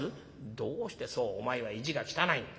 「どうしてそうお前は意地が汚い。